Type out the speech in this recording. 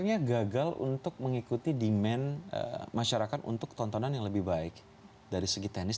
sebenarnya gagal untuk mengikuti demand masyarakat untuk tontonan yang lebih baik dari segi teknis